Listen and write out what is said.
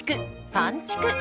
「パンちく」！